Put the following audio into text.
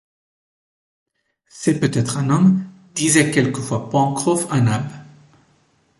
C’est peut-être un homme, disait quelquefois Pencroff à Nab